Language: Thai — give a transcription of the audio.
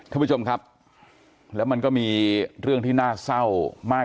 คบชมครับแล้วมันก็มีเรื่องที่ดูที่น่าเศร้ามาก